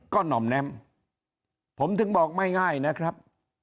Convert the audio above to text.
ก็หน่อมแน้มผมถึงบอกไม่ง่ายนะครับ